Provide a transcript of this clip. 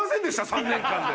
３年間で。